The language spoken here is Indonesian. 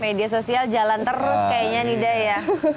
media sosial jalan terus kayaknya nida ya